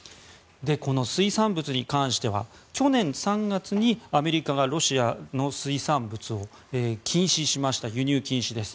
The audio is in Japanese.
この水産物に関しては去年３月にアメリカがロシアの水産物を禁止しました輸入禁止です。